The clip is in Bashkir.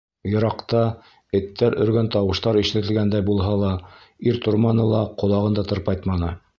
Йыраҡта эттәр өргән тауыштар ишетелгәндәй булһа ла, ир торманы ла, ҡолағын да тырпайтманы.